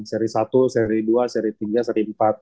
seri satu seri dua seri tiga seri empat